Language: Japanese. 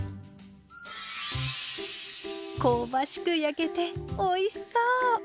香ばしく焼けておいしそう！